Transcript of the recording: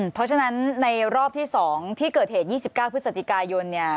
เพราะฉะนั้นในรอบที่๒ที่เกิดเหตุ๒๙พฤศจิกายนเนี่ย